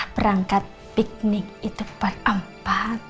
berangkat piknik itu buat empat